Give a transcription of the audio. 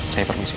saya permisi om